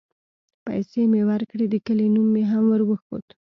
پيسې مې وركړې د كلي نوم مې هم وروښود.